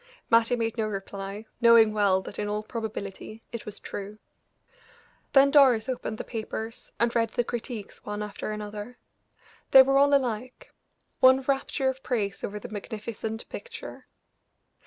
Mattie made no reply, knowing well that in all probability it was true. Then Doris opened the papers, and read the critiques one after another; they were all alike one rapture of praise over the magnificent picture.